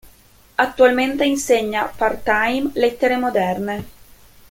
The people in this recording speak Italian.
Attualmente insegna, part-time, lettere moderne.